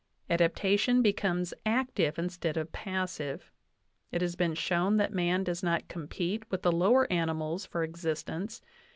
Adaptation becomes active instead of passive. ... It has been shown that man does not compete with the lower animals for existence.